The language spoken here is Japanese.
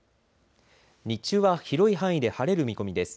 日中は広い範囲で晴れる見込みです。